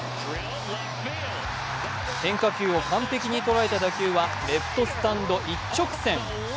変化球を完璧にとらえた打球はレフトスタンド一直線。